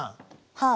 はい。